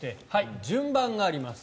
順番があります。